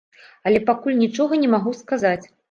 Але пакуль нічога не магу сказаць.